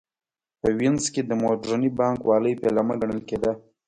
په وینز کې د موډرنې بانک والۍ پیلامه ګڼل کېده